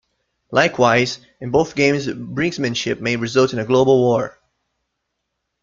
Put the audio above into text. Likewise, in both games brinkmanship may result in a global war.